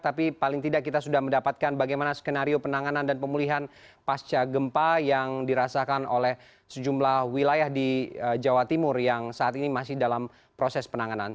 tapi paling tidak kita sudah mendapatkan bagaimana skenario penanganan dan pemulihan pasca gempa yang dirasakan oleh sejumlah wilayah di jawa timur yang saat ini masih dalam proses penanganan